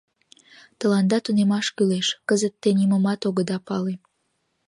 Тыланда тунемаш кӱлеш, кызыт те нимомат огыда пале.